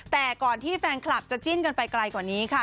แต่ก่อนที่แฟนคลับจะจิ้นกันไปไกลกว่านี้ค่ะ